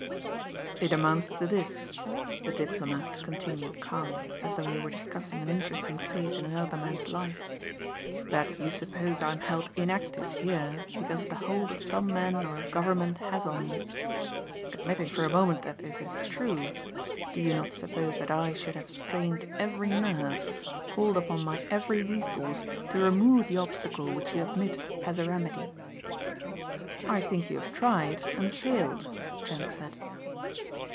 "It amounts to this," the diplomat continued calmly as though he were discussing an interesting phase in another man's life, "that you suppose I am held inactive here because of the hold some man or government has on me. Admitting for a moment that this is true, do you not suppose that I should have strained every nerve, called upon my every resource to remove the obstacle which you admit has a remedy?" "I think you have tried and failed," Trent said.